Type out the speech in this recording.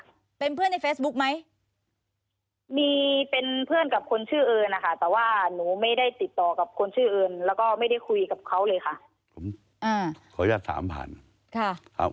มีเป็นเพื่อนกับคนชื่อเอิญนะคะแต่ว่าหนูไม่ได้ติดต่อกับคนชื่อเอิญแล้วก็ไม่ได้คุยกับเขาเลยค่ะ